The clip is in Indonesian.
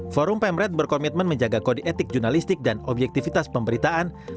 forum pemret berkomitmen menjaga kode etik jurnalistik dan objektivitas pemberitaan